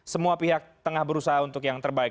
semua pihak tengah berusaha untuk yang terbaik